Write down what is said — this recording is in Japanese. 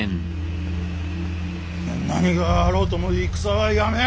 何があろうとも戦はやめん！